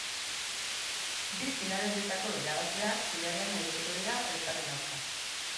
Bi finalerdietako irabazleak finalean arituko dira elkarren aurka.